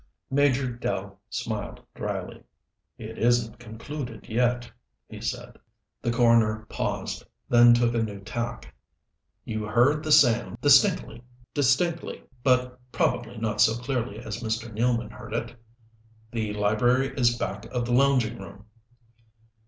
Major Dell smiled dryly. "It isn't concluded yet," he said. The coroner paused, then took a new tack. "You heard the sound distinctly?" "Distinctly, but probably not so clearly as Mr. Nealman heard it. The library is back of the lounging room."